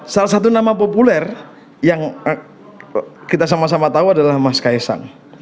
salah satu nama populer yang kita sama sama tahu adalah mas kaisang